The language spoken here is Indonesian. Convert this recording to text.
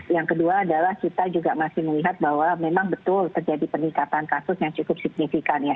yang kedua adalah kita juga masih melihat bahwa memang betul terjadi peningkatan kasus yang cukup signifikan ya